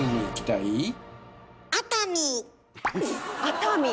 熱海？